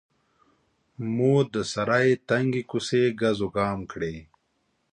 مو د سرای تنګې کوڅې ګزوګام کړې.